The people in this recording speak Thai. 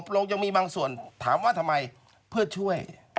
เชื่อสงบโลกยังมีบางส่วนถามว่าทำไมเพื่อช่วย